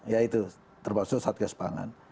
ya itu termasuk satgas pangan